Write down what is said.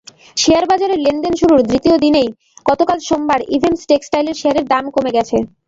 শেয়ারবাজারে লেনদেন শুরুর দ্বিতীয় দিনেই গতকাল সোমবার ইভিন্স টেক্সটাইলের শেয়ারের দাম কমে গেছে।